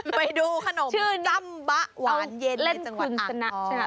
ไปดูขนมจำบะหวานเย็นในจังหวัดอักษ์